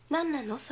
それ。